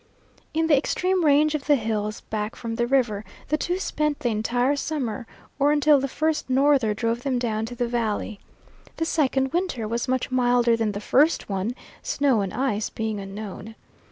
In the extreme range of the hills back from the river, the two spent the entire summer, or until the first norther drove them down to the valley. The second winter was much milder than the first one, snow and ice being unknown.